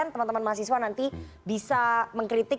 teman teman mahasiswa nanti bisa mengkritik